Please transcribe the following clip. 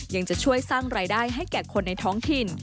ยังจะช่วยสร้างรายได้ให้แก่คนในท้องถิ่น